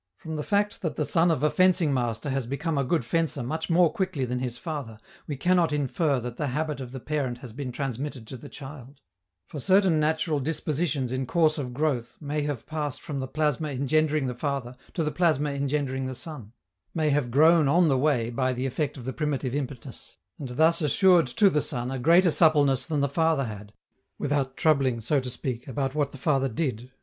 From the fact that the son of a fencing master has become a good fencer much more quickly than his father, we cannot infer that the habit of the parent has been transmitted to the child; for certain natural dispositions in course of growth may have passed from the plasma engendering the father to the plasma engendering the son, may have grown on the way by the effect of the primitive impetus, and thus assured to the son a greater suppleness than the father had, without troubling, so to speak, about what the father did.